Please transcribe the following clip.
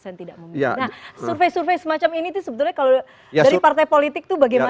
nah survei survei semacam ini tuh sebetulnya kalau dari partai politik itu bagaimana